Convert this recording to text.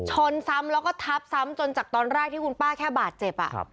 ชนซ้ำแล้วก็ทับซ้ำจนจากตอนแรกที่คุณป้าแค่บาดเจ็บ